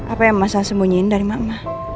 apa yang mas al sembunyiin dari mama